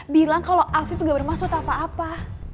bilang kalau afif gak bermaksud apa apa